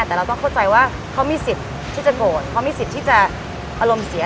แต่เราต้องเข้าใจว่าเขามีสิทธิ์ที่จะโกรธเขามีสิทธิ์ที่จะอารมณ์เสีย